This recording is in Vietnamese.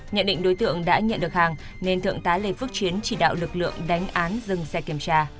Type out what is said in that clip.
nhận định đối tượng đã nhận được hàng nên thượng tá lê phước chiến chỉ đạo lực lượng đánh án dừng xe kiểm tra